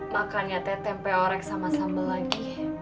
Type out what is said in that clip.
makannya tete peorek sama sambal lagi